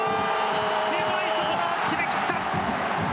狭いところを決め切った。